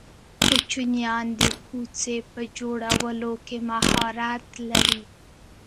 کوچیان د پوڅې په جوړولو کی مهارت لرې.